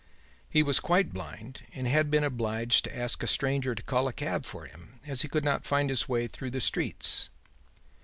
He was quite blind and had been obliged to ask a stranger to call a cab for him as he could not find his way through the streets.